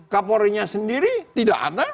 kapolrinya sendiri tidak ada